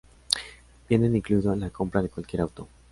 Vienen incluido en la compra de cualquier auto.